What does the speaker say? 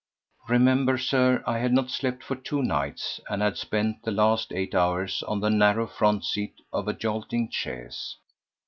Remember, Sir, I had not slept for two nights and had spent the last eight hours on the narrow front seat of a jolting chaise.